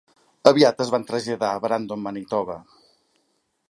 Aviat es van traslladar a Brandon, Manitoba.